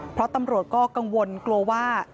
เพราะตำรวจก็กังวลกลัวว่า